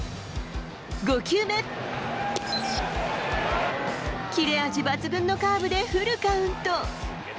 ５球目、切れ味抜群のカーブでフルカウント。